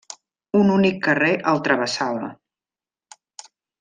Un únic carrer el travessava.